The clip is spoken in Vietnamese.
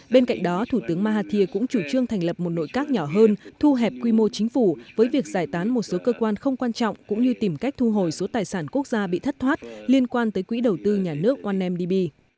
bên cạnh đó thủ tướng mahathir cũng chủ trương thành lập một nội các nhỏ hơn thu hẹp quy mô chính phủ với việc giải tán một số cơ quan không quan trọng cũng như tìm cách thu hồi số tài sản quốc gia bị thất thoát liên quan tới quỹ đầu tư nhà nước arn db